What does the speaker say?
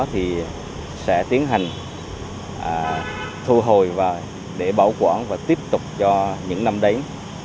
thì sẽ tiến hành thu hồi và để bảo quản và tiếp tục cho những năm đấy